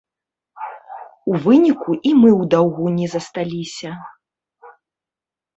У выніку і мы ў даўгу не засталіся.